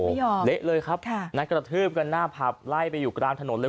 ไม่ยอมเละเลยครับค่ะนัดกระทืบกันหน้าผับไล่ไปอยู่กลางถนนเลย